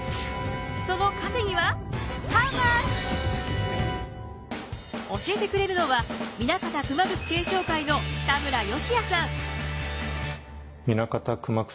その稼ぎは教えてくれるのは南方熊楠顕彰会の田村義也さん。